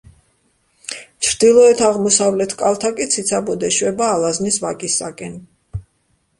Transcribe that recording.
ჩრდილოეთ-აღმოსავლეთ კალთა კი ციცაბოდ ეშვება ალაზნის ვაკისაკენ.